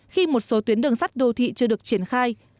khi một số tuyến đường sắt đô thị chưa được triển khai